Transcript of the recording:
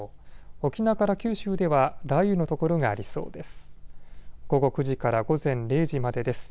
沖縄から九州では雷雨の所がありそうです。